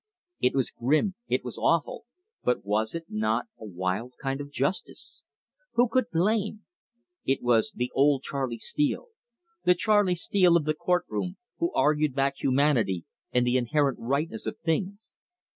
It was grim, it was awful, but was it not a wild kind of justice? Who could blame? It was the old Charley Steele, the Charley Steele of the court room, who argued back humanity and the inherent rightness of things.